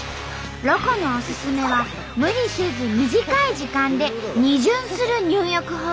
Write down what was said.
ロコのおすすめは無理せず短い時間で２巡する入浴法。